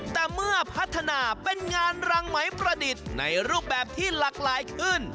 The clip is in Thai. แต่เมื่อพัฒนาเป็นงานรังไหมประดิษฐ์ในรูปแบบที่หลากหลายขึ้น